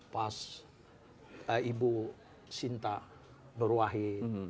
pas ibu sinta nurwahid